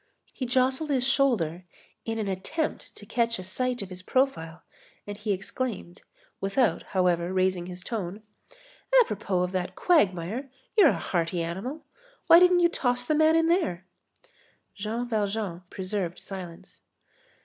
He jostled his shoulder in an attempt to catch a sight of his profile, and he exclaimed, without, however, raising his tone: "Apropos of that quagmire, you're a hearty animal. Why didn't you toss the man in there?" Jean Valjean preserved silence.